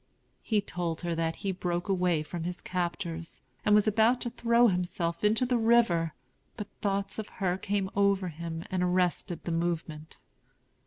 He told her that he broke away from his captors, and was about to throw himself into the river, but thoughts of her came over him and arrested the movement.